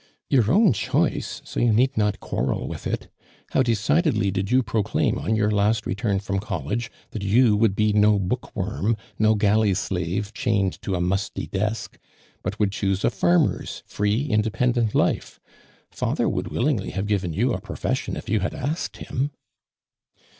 " Your own choice, so you need not quar rel with it. How decidedly did you pro claim, on your last return from college, that you would be no book worm, no galley slave chained to a musty desk, but would choose a farmer's free, independent life. Father would willingly have given you a profession if you had asked him."